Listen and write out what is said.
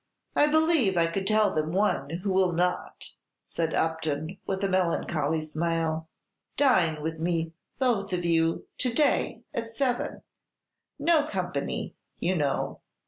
"I believe I could tell them one who will not," said Upton, with a melancholy smile. "Dine with me, both of you, to day, at seven; no company, you know.